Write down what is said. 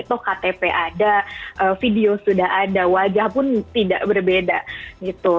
toh ktp ada video sudah ada wajah pun tidak berbeda gitu